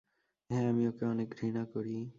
হ্যাঁ, আমি ওকে অনেক ঘৃণা করি।